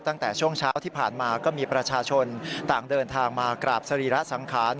ตั้งแต่ช่วงเช้าที่ผ่านมาก็มีประชาชนต่างเดินทางมากราบสรีระสังขาร